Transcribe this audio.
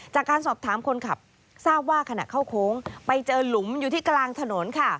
จากการสอบถามคนขับทราบว่าขณะเข้าโค้งไปเจอหลุมอยู่ที่กลางถนนค่ะ